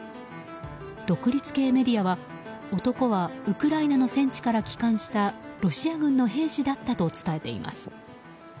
独立系メディアは、男はウクライナの戦地から帰還したロシア軍の兵士だったと伝えています。